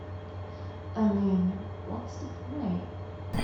I mean, what's the point?